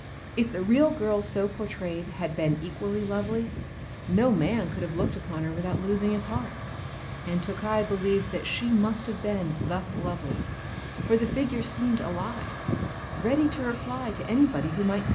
If the real girl so portrayed had been equally lovely, no man could have looked upon her without losing his heart. And Tokkei believed that she must have been thus lovely; for the figure seemed alive, ready to reply to anybody who might speak to it.